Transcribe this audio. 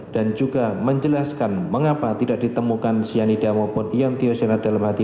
dan juga menjelaskan mengapa tidak ditemukan cyanida maupun ion cyanate dalam hati